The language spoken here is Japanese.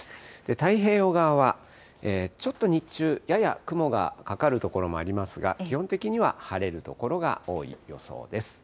太平洋側は、ちょっと日中、やや雲がかかる所もありますが、基本的には晴れる所が多い予想です。